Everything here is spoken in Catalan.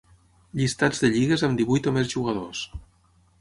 Llistats de lligues amb divuit o més jugadors.